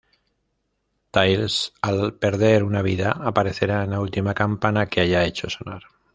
Tails, al perder una vida, aparecerá en la última campana que haya hecho sonar.